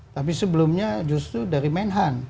tapi sebelumnya justru dari menhan